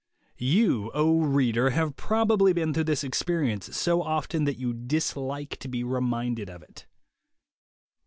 You, O reader, have probably been through this experience, so often that you dislike to be reminded of it.